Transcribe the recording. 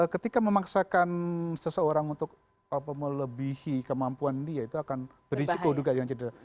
ketika memaksakan seseorang untuk melebihi kemampuan dia itu akan berisiko juga dengan cedera